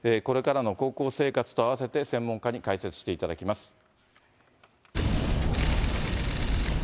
これからの高校生活と合わせて、専門家に解説していただきます。